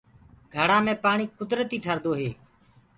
گھڙآ مي پآڻي ڪُدرتي ٺنڊو هوندو هي۔